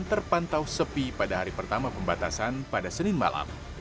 terpantau sepi pada hari pertama pembatasan pada senin malam